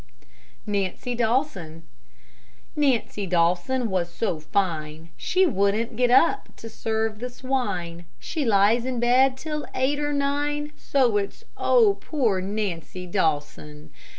NANCY DAWSON Nancy Dawson was so fine She wouldn't get up to serve the swine; She lies in bed till eight or nine, So it's Oh, poor Nancy Dawson.